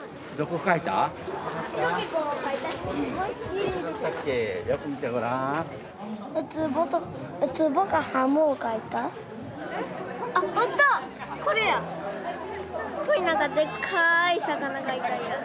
ここになんかでっかい魚描いたんや。